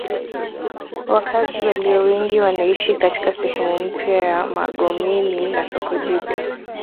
Wakazi walio wengi wanaishi katika sehemu mpya ya Magomeni na soko jipya